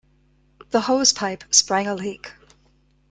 The hosepipe sprang a leak.